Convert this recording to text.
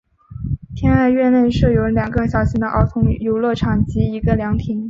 天爱苑内设有两个小型的儿童游乐场及一个凉亭。